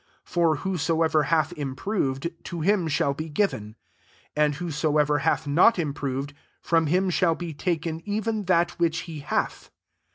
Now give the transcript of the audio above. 25 For whosoever hath im/iroved, to him shall be given : and whosoever hath not imfiroved, from him shall be taken, even that which he hath.